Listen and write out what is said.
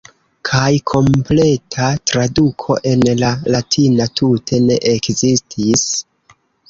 Kaj kompleta traduko en la Latina tute ne ekzistis.